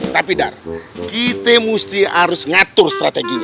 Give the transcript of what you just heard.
tapi dar kita mesti harus ngatur strateginya